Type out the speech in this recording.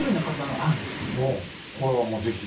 これはもう是非。